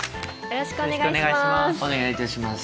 よろしくお願いします。